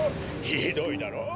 ひどいだろう！？